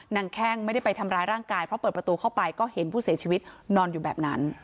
แข้งไม่ได้ไปทำร้ายร่างกายเพราะเปิดประตูเข้าไปก็เห็นผู้เสียชีวิตนอนอยู่แบบนั้น